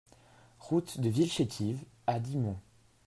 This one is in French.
Route de Villechétive à Dixmont